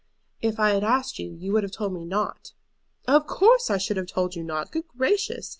"If I had asked you, you would have told me not." "Of course I should have told you not. Good gracious!